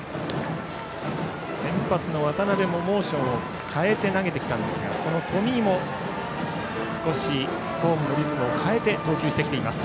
先発の渡部もモーションを変えて投げてきたんですがこの冨井も少しフォームのリズムを変えて投球してきています。